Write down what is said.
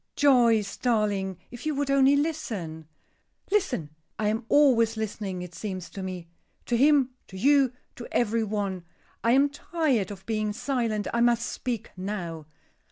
"Joyce, darling, if you would only listen." "Listen! I am always listening, it seems to me. To him, to you, to every one. I am tired of being silent; I must speak now.